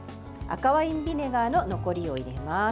赤ワインビネガーの残りを入れます。